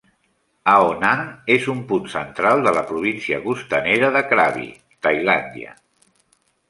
Ao Nang és un punt central de la província costanera de Krabi, Tailàndia.